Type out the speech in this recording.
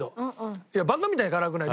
いやバカみたいに辛くない。